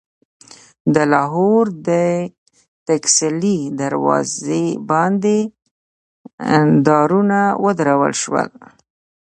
د لاهور د ټکسلي دروازې دباندې دارونه ودرول شول.